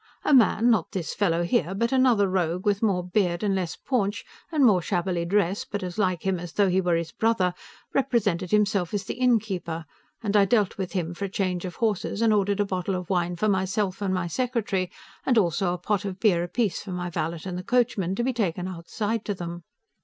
A man, not this fellow here, but another rogue, with more beard and less paunch, and more shabbily dressed, but as like him as though he were his brother, represented himself as the innkeeper, and I dealt with him for a change of horses, and ordered a bottle of wine for myself and my secretary, and also a pot of beer apiece for my valet and the coachman, to be taken outside to them.